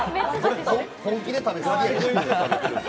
本気で食べすぎや。